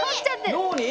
脳に？